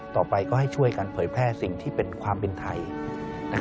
ต่อไปก็ให้ช่วยกันเผยแพร่สิ่งที่เป็นความเป็นไทย